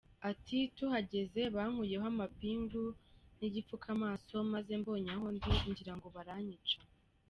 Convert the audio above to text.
Ati: “Tuhageze, bankuyeho amapingu n’igipfukamaso maze mbonye aho ndi ngirango baranyica.